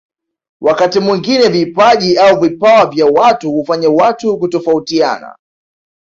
Wakati mwingine vipaji au vipawa vya watu hufanya watu kutofautiana